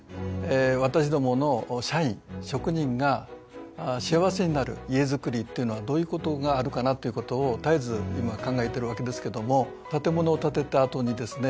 私どもの社員職人が幸せになる家づくりっていうのはどういうことがあるかなっていうことを絶えず今考えてるわけですけども建物を建てた後にですね